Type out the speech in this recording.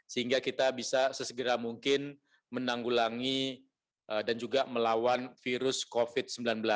sehingga kita bisa sesegera mungkin menanggulangi dan juga melawan virus covid sembilan belas